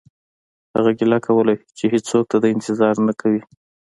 هغه ګیله کوله چې هیڅوک د ده انتظار نه کوي